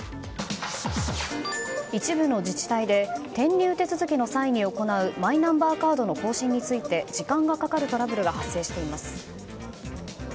一部の自治体で転入手続きの際に行うマイナンバーカードの更新について時間がかかるトラブルが発生しています。